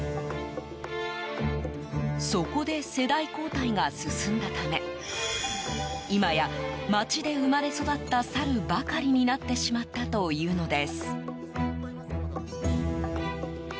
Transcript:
そこで、世代交代が進んだため今や街で生まれ育ったサルばかりになってしまったというのです。